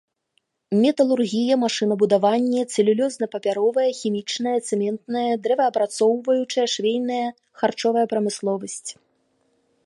Металургія, машынабудаванне, цэлюлозна-папяровая, хімічная, цэментная, дрэваапрацоўчая, швейная, харчовая прамысловасць.